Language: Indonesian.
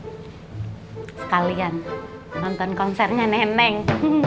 sekalian nonton konsernya neneng